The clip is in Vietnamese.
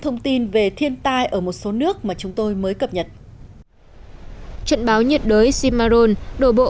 thông tin về thiên tai ở một số nước mà chúng tôi mới cập nhật trận báo nhiệt đới cimaron đổ bộ